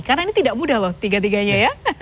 karena ini tidak mudah loh tiga tiganya ya